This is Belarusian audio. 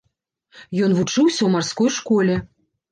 Ён вучыўся ў марской школе.